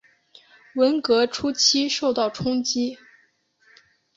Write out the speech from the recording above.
文革初期受到冲击。